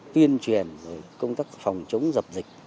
tuyên truyền về công tác phòng chống dập dịch